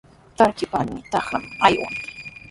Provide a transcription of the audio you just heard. Trakipallami trakraman aywaa.